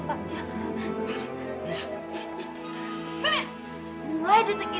pak jamal jangan pak